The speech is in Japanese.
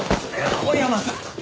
青山さん！